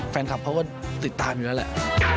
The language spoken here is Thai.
แฟนคลับเขาก็ติดตามอยู่แล้วแหละ